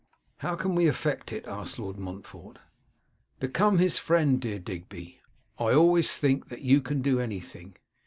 'How can we effect it?' asked Lord Montfort. 'Become his friend, dear Digby. I always think you can do anything.